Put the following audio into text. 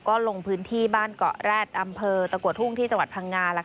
ก็ลงพื้นที่บ้านเกาะแร็ดอำเภอตะกัวทุ่งที่จังหวัดพังงา